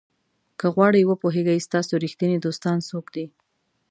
که غواړئ وپوهیږئ ستاسو ریښتیني دوستان څوک دي.